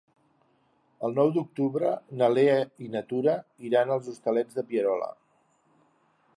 El nou d'octubre na Lea i na Tura iran als Hostalets de Pierola.